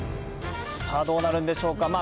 さあ、どうなるんでしょうか。